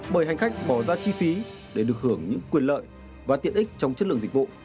bởi hành khách bỏ ra chi phí để được hưởng những quyền lợi và tiện ích trong chất lượng dịch vụ